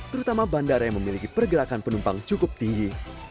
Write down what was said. terutama bandara yang memiliki pergerakan penumpang cukup tinggi